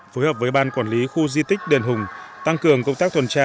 phối hợp với ban quản lý khu di tích đền hùng tăng cường công tác tuần tra